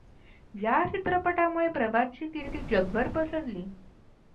या चित्रपटामुळे प्रभातची कीर्ती जगभर पसरली.